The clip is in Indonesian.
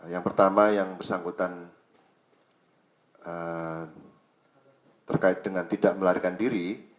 yang pertama yang bersangkutan terkait dengan tidak melarikan diri